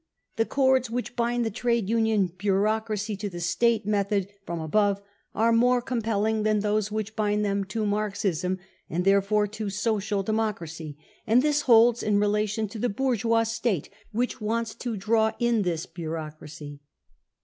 The cords which bind the trade union bureaucracy to the State method " from above are more compel ling than those which bind them to Marxism, and there fore to Social Democracy ; and this holds in relation to r * the bourgeois State which wants to draw in this bureau cracy.